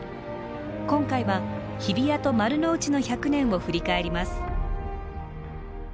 今回は日比谷と丸の内の１００年を振り返ります。